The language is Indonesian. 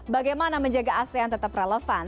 bagaimana menjaga asean tetap relevan